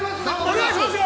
◆お願いしますよ。